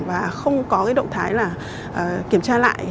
và không có cái động thái là kiểm tra lại